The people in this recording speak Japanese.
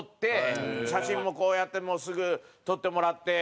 写真もこうやってすぐ撮ってもらって。